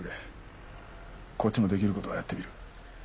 こっちもできる事はやってみる。